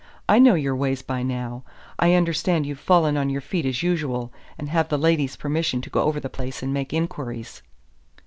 I know your ways by now. I understand you've fallen on your feet as usual, and have the lady's permission to go over the place and make inquiries."